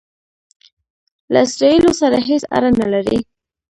له اسراییلو سره هیڅ اړه نه لري.